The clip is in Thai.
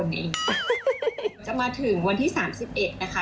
ในดับอย่างนี้ทุกษาจะมาถึงวันที่๓๑นะคะ